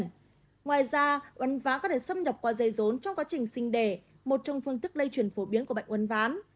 ngoài ra uấn ván có thể xâm nhập qua dây rốn trong quá trình sinh đẻ một trong phương thức lây truyền phổ biến của bệnh uấn ván